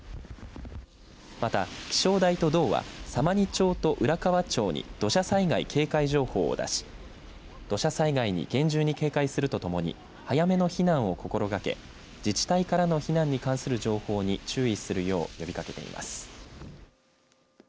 また、気象台と道は様似町と浦河町に土砂災害警戒情報を出し土砂災害に厳重に警戒するとともに早めの避難を心がけ自治体からの避難に関する情報に注意するよう呼びかけています。